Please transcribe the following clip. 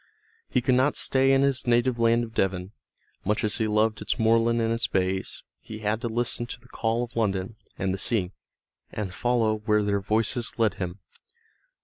He could not stay in his native land of Devon; much as he loved its moorland and its bays, he had to listen to the call of London and the sea, and follow where their voices led him.